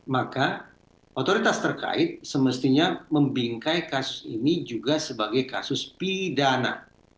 maka otoritas terkait semestinya membingkai kasus ini juga sebagai kasus pidana